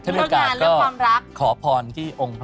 ท่านพิการก็ขอพรที่องค์บิเศษ